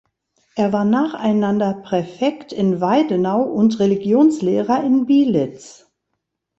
Er war nacheinander Präfekt in Weidenau und Religionslehrer in Bielitz.